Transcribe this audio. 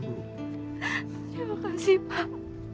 terima kasih pak